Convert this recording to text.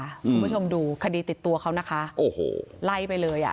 คุณผู้ชมดูคดีติดตัวเขานะคะโอ้โหไล่ไปเลยอ่ะ